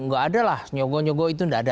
nggak ada lah nyogok nyogok itu nggak ada